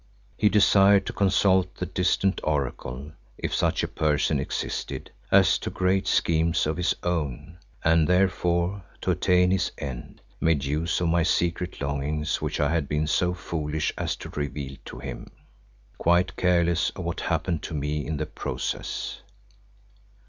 He desired to consult the distant Oracle, if such a person existed, as to great schemes of his own, and therefore, to attain his end, made use of my secret longings which I had been so foolish as to reveal to him, quite careless of what happened to me in the process.